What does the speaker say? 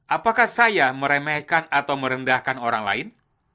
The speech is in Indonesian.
apakah saya meremehkan atau merendahkan orang lain